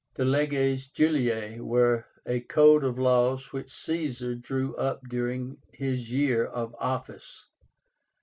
The LEGES JULIAE were a code of laws which Caesar drew up during his year of office.